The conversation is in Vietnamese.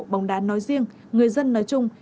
bóng đá nói riêng người dân nói chuyện